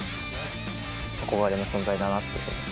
憧れの存在だなって。